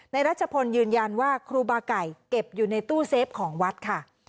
รัชพลยืนยันว่าครูบาไก่เก็บอยู่ในตู้เซฟของวัดค่ะ